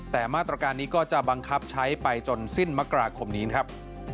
แต่มาตรการนี้ก็จะบังคับใช้ไปจนสิ้นมกราคมนี้นะครับ